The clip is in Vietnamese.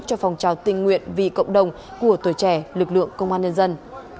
cho phòng trào tình nguyện vì cộng đồng của tuổi trẻ lực lượng công an nhân dân